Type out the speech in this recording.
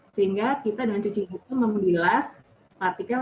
sehingga kita dengan cuci hidung itu menghilas partikel hidung